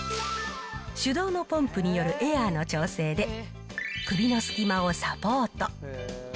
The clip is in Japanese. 手動のポンプによるエアーの調整で、首の隙間をサポート。